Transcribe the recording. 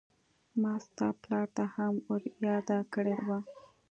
ما ستا پلار ته هم ور ياده کړې وه.